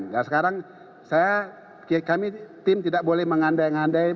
nah sekarang saya kami tim tidak boleh mengandai andai